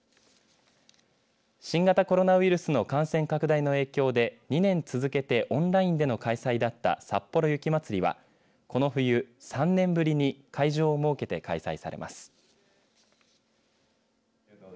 新型コロナウイルスの感染拡大の影響で２年続けてオンラインでの開催だったさっぽろ雪まつりは、この冬３年ぶりに会場を設けて開催されます。